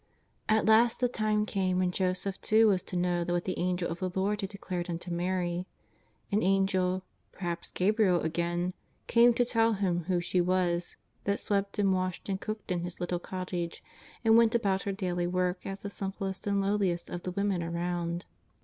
At last tlie time came when Joseph too was to know what the Angel of the Lord had declared nnto Mary. An Angel, perhaps Gabriel again, came to tell him who she was that swept and washed and cooked in his little cottage, and went about her daily w^ork as the simplest and lowliest of the women around.